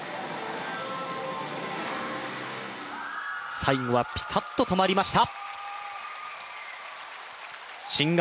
最後はぴたっと止まりました。